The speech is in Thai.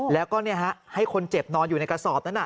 แล้วก็ให้คนเจ็บนอนอยู่ในกระสอบนั้น